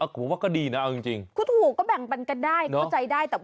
ทุกก็แบ่งปันกันได้